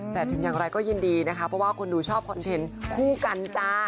แต่ถึงอย่างไรก็ยินดีนะคะเพราะว่าคนดูชอบคอนเทนต์คู่กันจ้า